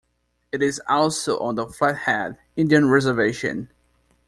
It is also on the Flathead Indian Reservation.